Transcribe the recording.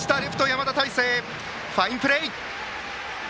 山田太成ファインプレー！